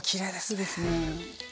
いいですね。